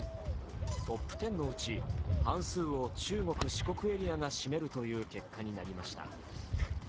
トップ１０のうち半数を中国、四国エリアが占める結果となりました。